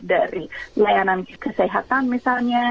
dari layanan kesehatan misalnya